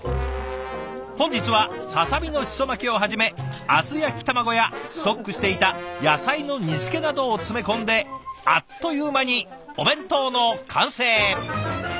本日はささみのシソ巻きをはじめ厚焼き卵やストックしていた野菜の煮つけなどを詰め込んであっという間にお弁当の完成。